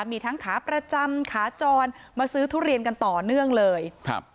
มีทั้งขาประจำขาจรมาซื้อทุเรียนกันต่อเนื่องเลยครับ